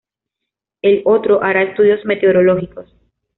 El otro hará estudios meteorológicos.